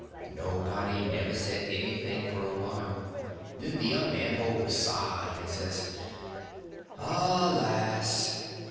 Nobody never said anything for a while; then the young man hove a sigh and says: "Alas!"